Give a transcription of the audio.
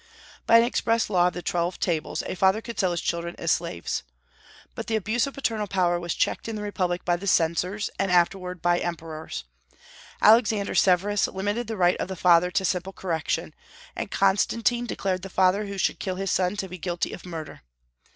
By an express law of the Twelve Tables a father could sell his children as slaves. But the abuse of paternal power was checked in the republic by the censors, and afterward by emperors. Alexander Severus limited the right of the father to simple correction, and Constantine declared the father who should kill his son to be guilty of murder.